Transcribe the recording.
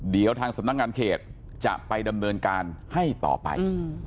เดี๋ยวทางสำนักงานเขตจะไปดำเนินการให้ต่อไป